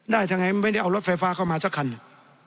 ได้ทั้งไหนไม่ได้เอารถไฟฟ้าเข้ามาสักครั้ง